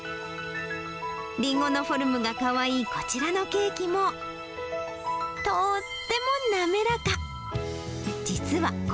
りんごのフォルムがかわいいこちらのケーキも、とっても滑らか。